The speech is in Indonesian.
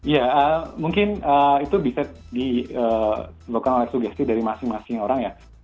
ya mungkin itu bisa ditemukan oleh sugesti dari masing masing orang ya